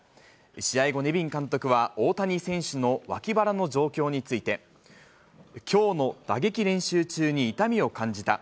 試合後、ネビン監督は、大谷選手の脇腹の状況について、きょうの打撃練習中に痛みを感じた。